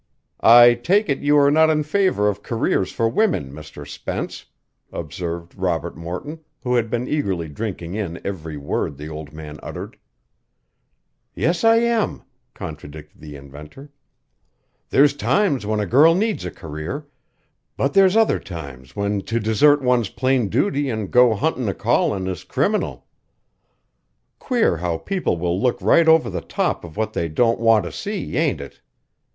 "I take it you are not in favor of careers for women, Mr. Spence," observed Robert Morton, who had been eagerly drinking in every word the old man uttered. "Yes, I am," contradicted the inventor. "There's times when a girl needs a career, but there's other times when to desert one's plain duty an' go huntin' a callin' is criminal. Queer how people will look right over the top of what they don't want to see, ain't it?